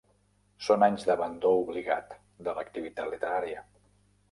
Són anys d'abandó obligat de l'activitat literària.